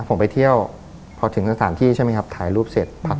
ผมไปเที่ยวพอถึงสถานที่ใช่มั้ยครับถ่ายรูปเสร็จพักหนึ่งคืน